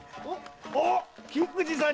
おっ菊路さん